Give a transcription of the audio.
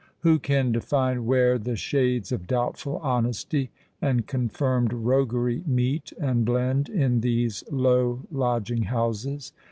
Who can define where the shades of doubtful honesty and confirmed roguery meet and blend in these low lodging houses?